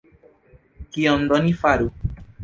Kion do ni faru?